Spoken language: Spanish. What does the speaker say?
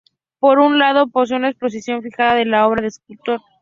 Por un lado posee una exposición fija de la obra del escultor.